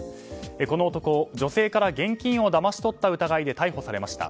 この男、女性から現金をだまし取った疑いで逮捕されました。